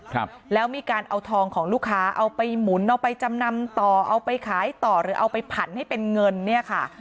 ครับแล้วมีการเอาทองของลูกค้าเอาไปหมุนเอาไปจำนำต่อเอาไปขายต่อหรือเอาไปผันให้เป็นเงินเนี่ยค่ะ